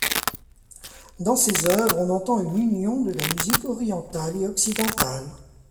Dans ses œuvres on entend une union de la musique orientale et occidentale.